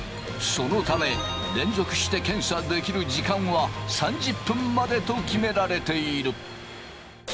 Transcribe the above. そのため連続して検査できる時間は３０分までと決められている。